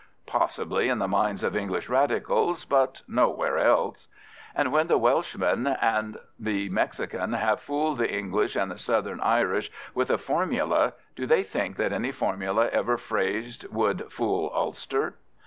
Possibly in the minds of English Radicals, but nowhere else. And when the Welshman and the Mexican have fooled the English and the southern Irish with a formula, do they think that any formula ever phrased would fool Ulster?